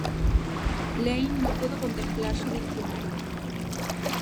Lane no pudo completar su diccionario.